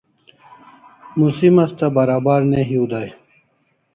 Musim Asta barabar ne hiu dai